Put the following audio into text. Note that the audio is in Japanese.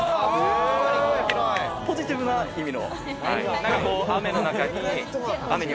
ポジティブな意味の。